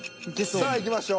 さあいきましょう。